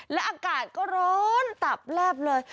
และอากาศก็ร้อนตับแลบเลย